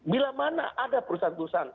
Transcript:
bila mana ada perusahaan perusahaan